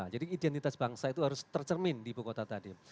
jadi identitas bangsa itu harus tercermin di ibu kota tadi